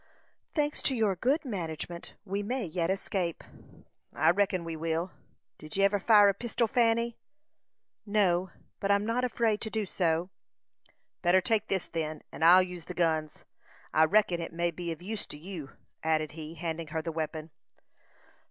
"Thanks to your good management, we may yet escape." "I reckon we will. Did you ever fire a pistil, Fanny?" "No, but I'm not afraid to do so." "Better take this, then, and I'll use the guns. I reckon it may be of use to you," added he, handing her the weapon.